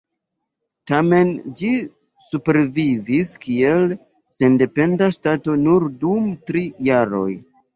Tamen ĝi supervivis kiel sendependa ŝtato nur dum tri jaroj.